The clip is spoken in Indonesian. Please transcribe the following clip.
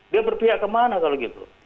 dia berpihak kemana kalau gitu